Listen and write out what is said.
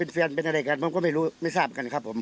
เพื่อนกันในกลุ่มใช่มั้ยครับ